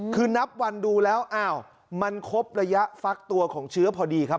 คือนับวันดูแล้วอ้าวมันครบระยะฟักตัวของเชื้อพอดีครับ